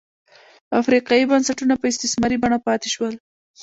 افریقايي بنسټونه په استثماري بڼه پاتې شول.